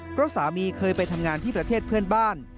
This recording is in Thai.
เพราะสามีเคยไปทำงานที่ประเทศเพื่อนบ้าน